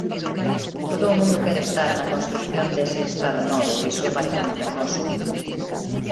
Todo o mundo quere estar na construción dese Estado novo, e iso paréceme fermoso.